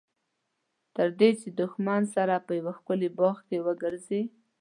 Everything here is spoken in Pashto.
تر دې چې د دښمن سره په یوه ښکلي باغ کې وګرځي.